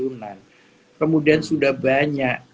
juga begitang auntar unik saja